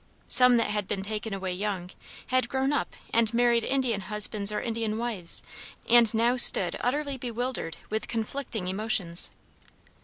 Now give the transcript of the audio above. Some that had been taken away young, had grown up and married Indian husbands or Indian wives, and now stood utterly bewildered with conflicting emotions.